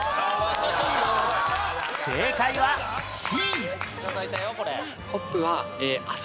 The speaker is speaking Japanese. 正解は Ｃ